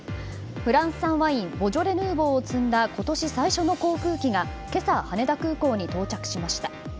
フランス産ワインボジョレ・ヌーボーを積んだ今年最初の航空機が今朝、羽田空港に到着しました。